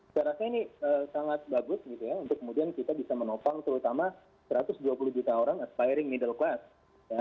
saya rasa ini sangat bagus gitu ya untuk kemudian kita bisa menopang terutama satu ratus dua puluh juta orang aspiring middle class